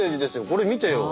これ見てよ。